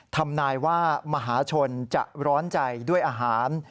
ทำนายว่ามหาชนจะร้อนใจด้วยอาหาร